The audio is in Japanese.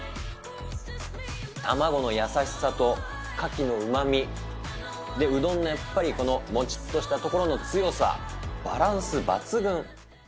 卵の優しさとカキのうまみ、うどんのやっぱり、もちっとしたところの強さ、バランス抜群。